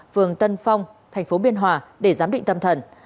phường tân phong thành phố biên hòa để giám định tâm thần